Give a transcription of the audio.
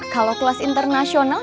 kalau kelas internasional